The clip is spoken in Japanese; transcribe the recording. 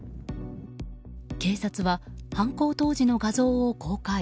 警察は犯行当時の画像を公開。